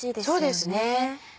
そうですね。